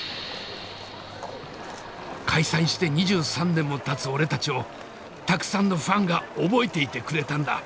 解散して２３年もたつ俺たちをたくさんのファンが覚えていてくれたんだ。